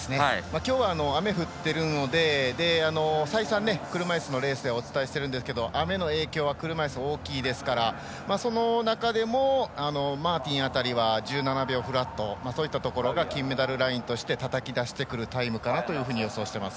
今日は雨が降っているので再三、車いすのレースでお伝えしていますが雨の影響は車いす、大きいですからその中でもマーティン辺りは１７秒フラットそういったところが金メダルラインとしてたたき出してくるタイムかなと予想しています。